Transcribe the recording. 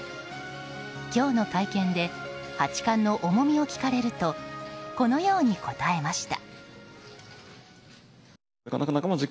今日の会見で八冠の重みを聞かれるとこのように答えました。